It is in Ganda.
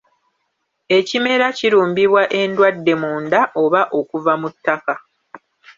Ekimera kirumbibwa endwadde munda oba okuva mu ttaka.